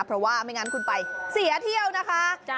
เพราะว่าไม่งั้นคุณไปเสียเที่ยวนะคะ